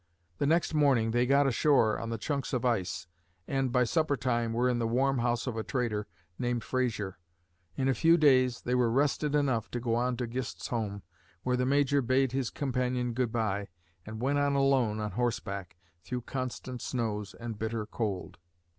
The next morning, they got ashore on the chunks of ice and by suppertime were in the warm house of a trader named Frazier. In a few days, they were rested enough to go on to Gist's home, where the Major bade his companion good by and went on alone on horseback, through constant snows and bitter cold.